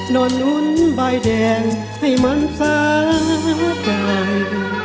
นอนนุ่นใบแดงให้มันซะใจ